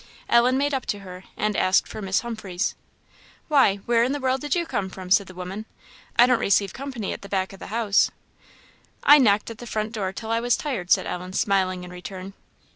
Ellen made up to her, and asked for Miss Humphreys. "Why, where in the world did you come from?" said the woman. "I don't receive company at the back of the house." "I knocked at the front door till I was tired," said Ellen, smiling in return.